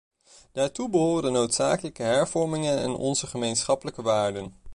Daartoe behoren de noodzakelijke hervormingen en onze gemeenschappelijke waarden.